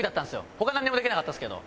他なんにもできなかったですけど。